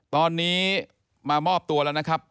ตอนนี้มามอบตัวแล้วนะครับ